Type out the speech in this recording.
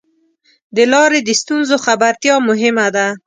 د لارې د ستونزو خبرتیا مهمه ده.